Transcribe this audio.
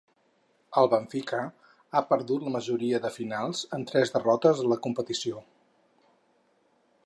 El Benfica ha perdut la majoria de finals, amb tres derrotes a la competició.